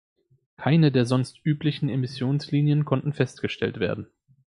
Keine der sonst üblichen Emissionslinien konnten festgestellt werden.